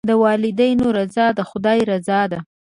د والدینو رضا د خدای رضا ده.